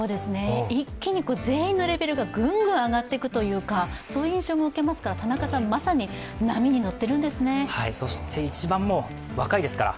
一気に全員のレベルがぐっと上がっていくというか、そういう印象も受けますから、田中さん、まさにそして一番若いですから。